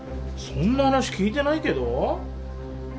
そんな話聞いてないけど？